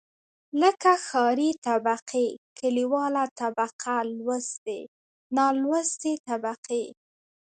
لکه ښاري طبقې، کليواله طبقه لوستې، نالوستې طبقې.